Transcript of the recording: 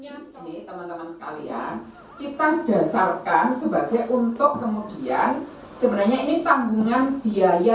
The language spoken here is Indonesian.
nyanyi teman teman sekalian kita dasarkan sebagai untuk kemudian sebenarnya ini tanggungan biaya